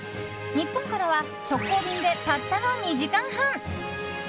日本からは直行便でたったの２時間半。